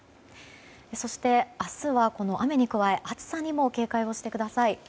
そして、明日はこの雨に加え暑さにも警戒をしてください。